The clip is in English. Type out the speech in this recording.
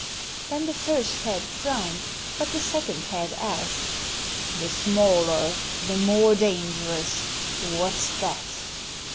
Then the first head frowned, but the second head asked : "The smaller the more dangerous; what's that?"